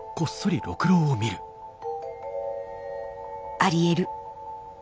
ありえる。